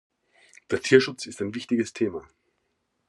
Der Tierschutz ist ein wichtiges Thema.